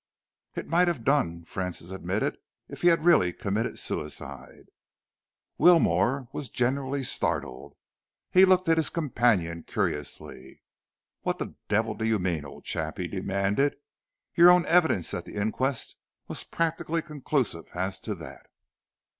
"It might have done," Francis admitted, "if he had really committed suicide." Wilmore was genuinely startled. He looked at his companion curiously. "What the devil do you mean, old chap?" he demanded. "Your own evidence at the inquest was practically conclusive as to that."